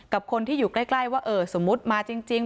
กับคนที่อยู่ใกล้ว่าเออสมมุติมาจริง